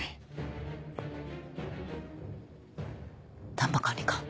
丹波管理官